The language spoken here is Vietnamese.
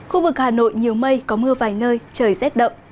khu vực hà nội nhiều mây có mưa vài nơi trời rét đậm